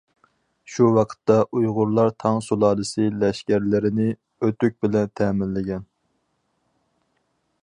شۇ ۋاقىتتا ئۇيغۇرلار تاڭ سۇلالىسى لەشكەرلىرىنى ئۆتۈك بىلەن تەمىنلىگەن.